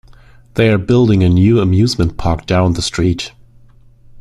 They're building a new amusement park down the street.